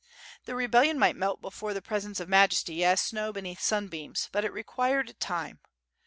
The rebellion might melt before the pres ence of Majesty, as snow beneath sunbeams, but it required time.